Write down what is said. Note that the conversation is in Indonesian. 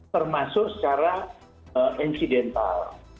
termasuk secara insidental